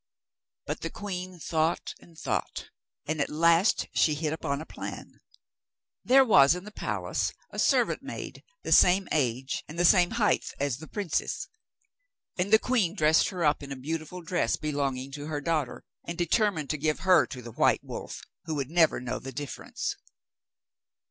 But the queen thought and thought, and at last she hit upon a plan. There was in the palace a servant maid the same age and the same height as the princess, and the queen dressed her up in a beautiful dress belonging to her daughter, and determined to give her to the white wolf, who would never know the difference.